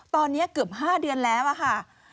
ตอนนี้เกือบ๕เดือนแล้วค่ะ